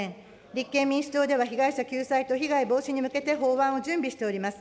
立憲民主党では被害者救済と被害防止に向けて法案を準備しております。